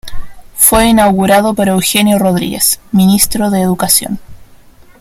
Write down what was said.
Fue inaugurado por Eugenio Rodríguez, Ministro de Educación.